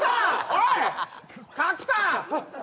おい角田！